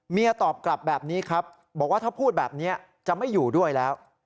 ตอบกลับแบบนี้ครับบอกว่าถ้าพูดแบบนี้จะไม่อยู่ด้วยแล้ว